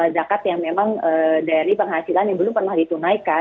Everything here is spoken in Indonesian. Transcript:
zakat yang memang dari penghasilan yang belum pernah ditunaikan